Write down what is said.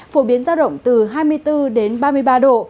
phổ biến ra động từ hai mươi bốn đến ba mươi ba độ